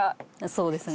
そうですね。